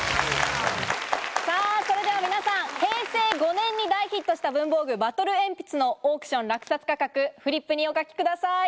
さぁ、それでは皆さん、平成５年に大ヒットした文房具バトルえんぴつのオークション落札価格をフリップにお書きください。